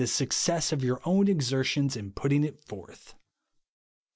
"147 success of your own exertions in putting it forth.